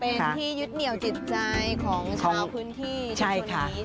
เป็นที่ยึดเหนียวจิตใจของชาวพื้นที่ชุมชนนี้